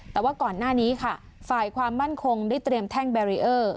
แต่ว่าก่อนหน้านี้ค่ะฝ่ายความมั่นคงได้เตรียมแท่งแบรีเออร์